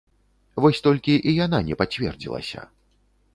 Вось толькі і яна не пацвердзілася.